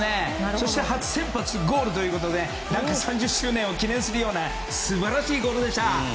そして初先発ゴールということで３０周年を記念するような素晴らしいゴールでした。